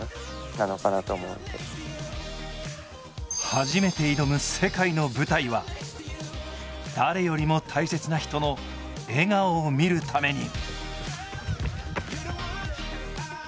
初めて挑む世界の舞台は誰よりも大切な人の笑顔を見るために。